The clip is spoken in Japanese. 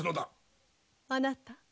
あなた。